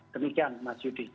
demikian mas yudi